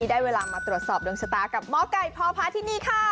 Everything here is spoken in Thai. ได้เวลามาตรวจสอบดวงชะตากับหมอไก่พอพาที่นี่ค่ะ